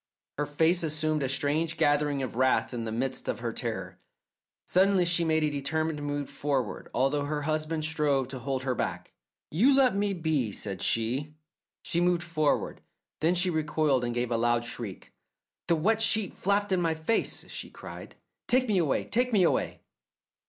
Her face assumed a strange gathering of wrath in the midst of her terror. Suddenly she made a determined move forward, although her husband strove to hold her back. "You let me be," said she. She moved forward. Then she recoiled and gave a loud shriek. "The wet sheet flapped in my face," she cried. "Take me away, take me away!"